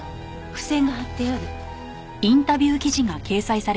付箋が貼ってある。